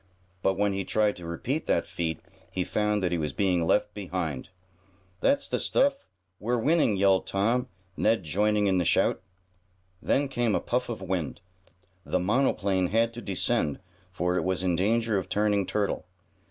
But when he tried to repeat that feat he found that he was being left behind. "That's the stuff! We're winning!" yelled Tom, Ned joining in the shout. Then came a puff of wind. The monoplane had to descend, for it was in danger of turning turtle.